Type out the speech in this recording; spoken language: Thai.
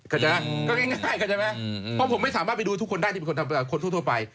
เข้าใจไหมก็ง่ายกันใช่ไหมเพราะผมไม่สามารถไปดูทุกคนได้ที่เป็นคนทั่วไป